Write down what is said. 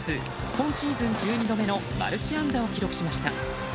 今シーズン１２度目のマルチ安打を記録しました。